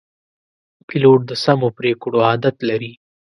پیلوټ د سمو پرېکړو عادت لري.